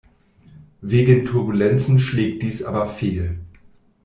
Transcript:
Wegen Turbulenzen schlägt dies aber fehl.